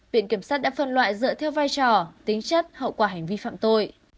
viện kiểm sát đã phân loại dựa theo vai trò tính chất hậu quả hành vi phạm tội